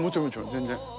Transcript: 全然。